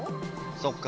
そっか。